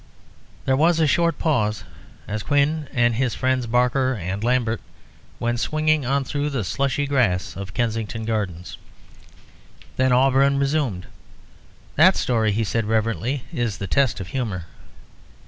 There was a short pause as Quin and his friends Barker and Lambert went swinging on through the slushy grass of Kensington Gardens. Then Auberon resumed. "That story," he said reverently, "is the test of humour."